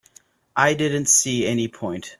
I didn't see any point.